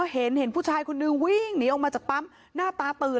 เห็นเห็นผู้ชายคุณหนึ่งวิ่งหนีออกมาจากปัรมหน้าตาตือ